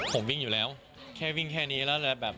ผมวิ่งอยู่แล้วแค่วิ่งแค่นี้แล้วเลยแบบ